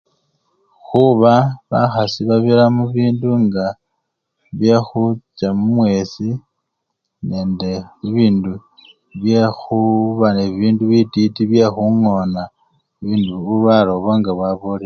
Khuba bakhasi babira mubidu byekhucha mumwesi nende bibindu bitit byekhungona bulwale obwo ngabwabolile.